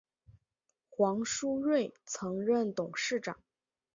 黄书锐曾任董事长。